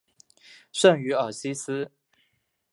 圣于尔西斯。